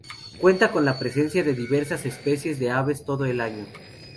Cuenta con la presencia de diversas especies de aves todo el año.